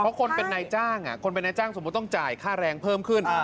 เพราะคนเป็นนายจ้างสมมุติต้องจ่ายค่าแรงเพิ่มขึ้น